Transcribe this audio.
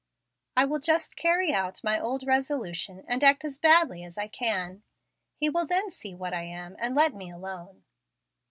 I will just carry out my old resolution, and act as badly as I can. He will then see what I am, and let me alone."